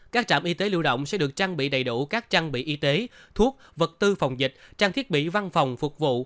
các trạm y tế lưu động sẽ được trang bị đầy đủ các trang bị y tế thuốc vật tư phòng dịch trang thiết bị văn phòng phục vụ